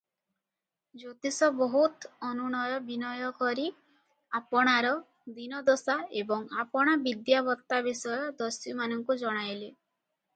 ଜ୍ୟୋତିଷ ବହୁତ ଅନୁନୟ ବିନୟ କରି ଆପଣାର ଦୀନଦଶା ଏବଂ ଆପଣା ବିଦ୍ୟାବତ୍ତା ବିଷୟ ଦସ୍ୟୁମାନଙ୍କୁ ଜଣାଇଲେ ।